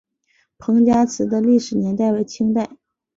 彭家祠的历史年代为清代。